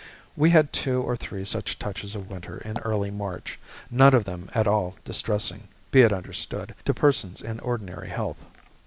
We had two or three such touches of winter in early March; none of them at all distressing, be it understood, to persons in ordinary health.